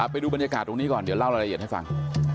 ไปดูบรรยากาศตรงนี้ก่อนเดี๋ยวเล่ารายละเอียดให้ฟัง